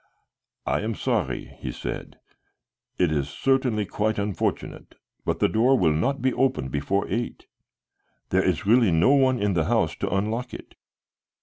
"I am sorry," he said, "it is certainly quite unfortunate, but the door will not be opened before eight. There is really no one in the house to unlock it."